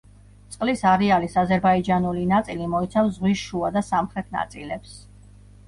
წყლის არეალის აზერბაიჯანული ნაწილი მოიცავს ზღვის შუა და სამხრეთ ნაწილებს.